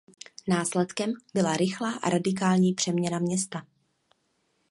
Následkem byla rychlá a radikální přeměna města.